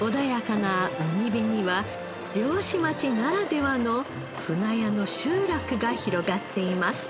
穏やかな海辺には漁師町ならではの舟屋の集落が広がっています